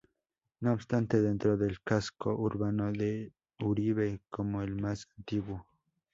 No obstante, dentro del casco urbano de Uribe como el más antiguo.